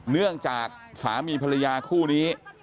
เนื่องจากสามีภรรยาคู่นี้